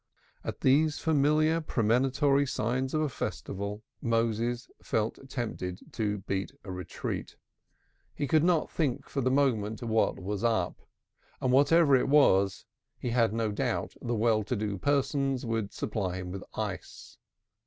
At these familiar premonitory signs of a festival, Moses felt tempted to beat a retreat. He could not think for the moment what was up, but whatever it was he had no doubt the well to do persons would supply him with ice.